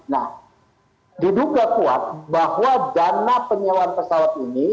nah diduga kuat bahwa dana penyewaan pesawat ini